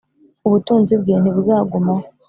ubutunzi bwe ntibuzagumaho .